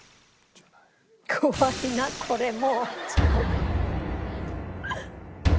怖いなこれもう。